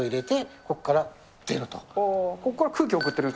ここから空気を送ってると。